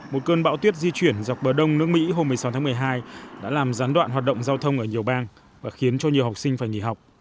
một cơn bão tuyết di chuyển dọc bờ đông nước mỹ hôm một mươi sáu tháng một mươi hai đã làm gián đoạn hoạt động giao thông ở nhiều bang và khiến cho nhiều học sinh phải nghỉ học